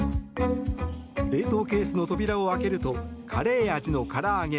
冷凍ケースの扉を開けるとカレー味の唐揚げ